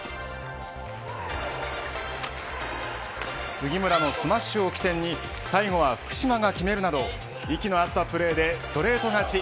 杉村のスマッシュを起点に最後は福島が決めるなど息の合ったプレーでストレート勝ち。